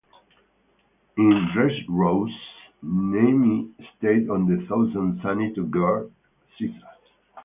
In Dressrosa, Nami stayed on the Thousand Sunny to guard Caesar.